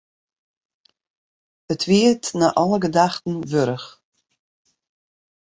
It wie it nei alle gedachten wurdich.